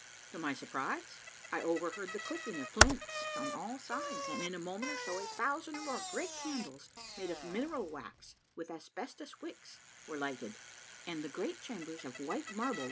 To my surprise, I novr heard the clicking of hints on all sides, and in a moment or so a thousand or more great candles made of mineral wax with asbestos wicks were lighted, and the great chambers of white marble.